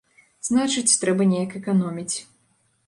Значыць, трэба неяк эканоміць.